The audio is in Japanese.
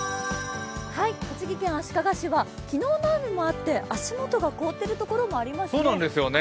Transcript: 栃木県足利市は昨日の雨もあって足元が凍っているところもありますね。